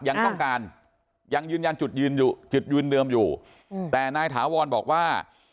ยังต้องการยังยืนยันจุดยืนเดิมอยู่แต่นายถาวรบอกว่า